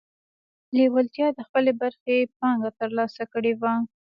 لېوالتیا د خپلې برخې پانګه ترلاسه کړې وه.